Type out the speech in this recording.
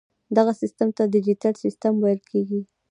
دغه سیسټم ته ډیجیټل سیسټم ویل کیږي.